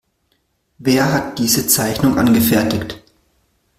Wer hat diese Zeichnung angefertigt?